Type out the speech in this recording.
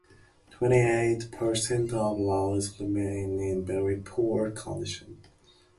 Twenty-eight percent of roads remain in "very poor" condition.